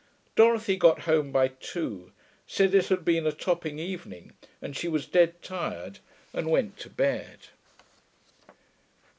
Dorothy got home by two, said it had been a topping evening and she was dead tired, and went to bed.